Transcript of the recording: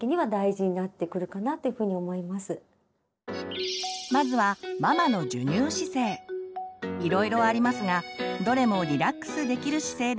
いろいろありますがどれもリラックスできる姿勢であることが大切です。